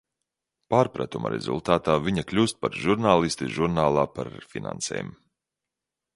Pārpratuma rezultātā viņa kļūst par žurnālisti žurnālā par finansēm.